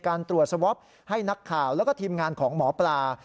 การตรวจสวอปให้นักข่าวแล้วก็ทีมงานของหมอปลา